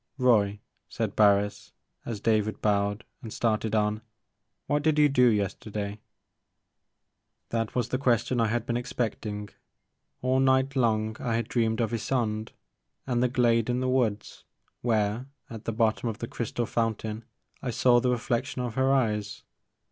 " Roy," said Barris as David bowed and started on, " what did you do yesterday ?" This was the question that I had been expect ing. All night long I had dreamed of Ysonde and the glade in the woods, where, at the bottom of the crystal fountain, I saw the reflection of her eyes.